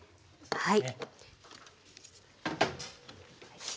はい。